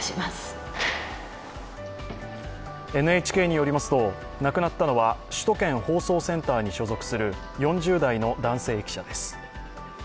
ＮＨＫによりますと、亡くなったのは首都圏放送センターに所属する４０代の男性記者です。